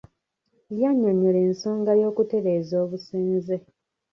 Yannyonnyola ensonga y’okutereeza obusenze.